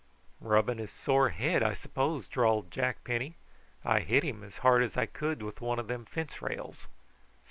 "Rubbing his sore head, I s'pose," drawled Jack Penny. "I hit him as hard as I could with one o' them fence rails."